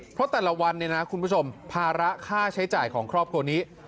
เพราะแต่ละวันเนี่ยนะคุณผู้ชมภาระค่าใช้จ่ายของครอบครัวนี้